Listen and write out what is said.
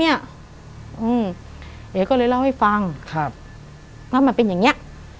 เอก็เลยเล่าให้ฟังแล้วมันเป็นอย่างนี้